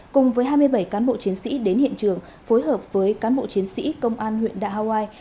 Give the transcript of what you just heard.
cùng với hai mươi bảy cán bộ chiến sĩ đến hiện trường phối hợp với cán bộ chiến sĩ công an huyện đạ haoi